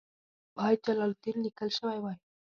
باید جلال الدین لیکل شوی وای.